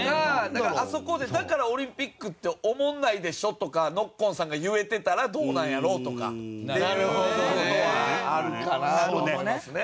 だからあそこで「だからオリンピックっておもんないでしょ？」とかノッコンさんが言えてたらどうなんやろう？とか。っていうのはあるかなと思いますね。